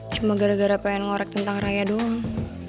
cuma gara gara pengen ngorek tentang raya doang